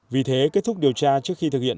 vì thế kết thúc điều tra trước khi thực hiện